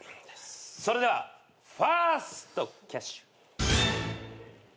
それではファーストキャッシュ。